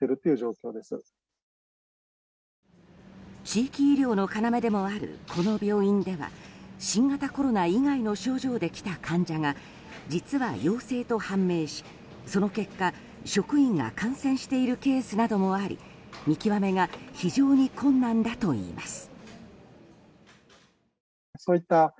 地域医療の要でもあるこの病院では新型コロナ以外の症状で来た患者が実は、陽性と判明しその結果、職員が感染しているケースなどもあり見極めが非常に困難だといいます。